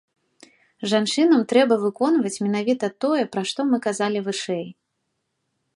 Жанчынам трэба выконваць менавіта тое, пра што мы казалі вышэй.